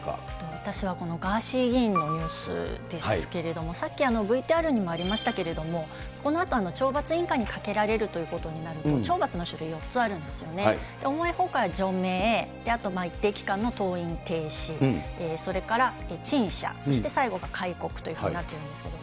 私はこのガーシー議員のニュースですけれども、さっきＶＴＲにもありましたけれども、このあと、懲罰委員会にかけられるということになると、懲罰の種類は４つあるんですよね、重いほうから除名、あと一定期間の登院停止、それから陳謝、最後、戒告というふうになっているんですけれども。